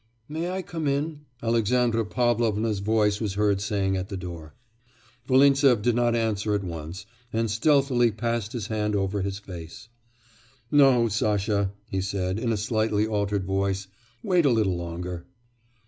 'May I come in?' Alexandra Pavlovna's voice was heard saying at the door. Volintsev did not answer at once, and stealthily passed his hand over his face. 'No, Sasha,' he said, in a slightly altered voice, 'wait a little longer.